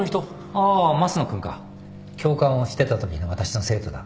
ああ益野君か教官をしてたときの私の生徒だ。